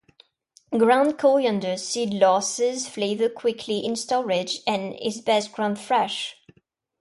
Ground coriander seed loses flavour quickly in storage and is best ground fresh.